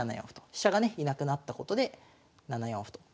飛車がね居なくなったことで７四歩と。